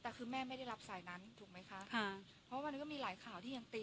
แต่คือแม่ไม่ได้รับสายนั้นถูกไหมคะค่ะเพราะวันนี้ก็มีหลายข่าวที่ยังตี